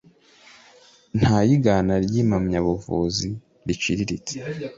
Nta yigana ry impamyabuvumbuzi iciriritse